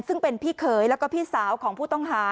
ซึ่งเป็นพี่เขยแล้วก็พี่สาวของผู้ต้องหา